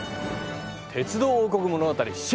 「鉄道王国物語６」。